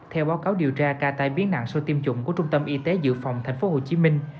theo báo cáo điều tra ca tai biến nặng sau tiêm chủng của trung tâm y tế dự phòng tp hcm